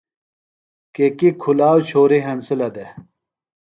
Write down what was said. کیکی کُھلاؤ چھوریۡ ہنسِلہ دےۡ۔